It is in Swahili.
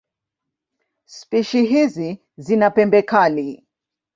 Spishi hizi zina pembe kali.